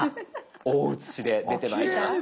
大写しで出てまいります。